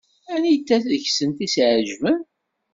Anita deg-sent i s-iɛeǧben?